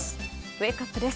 ウェークアップです。